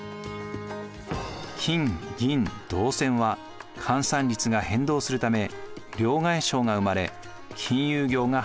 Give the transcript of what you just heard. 金・銀・銅銭は換算率が変動するため両替商が生まれ金融業が発達。